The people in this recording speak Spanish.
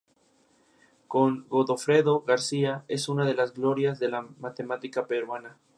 La montura es de tipo ecuatorial y el control completamente automático.